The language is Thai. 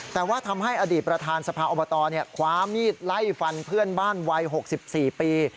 แต่ว่าทำให้อดีตประธานสภาอบตเนี่ยขวามีดไล่ฟันเพื่อนบ้านวัยหกสิบสี่ปี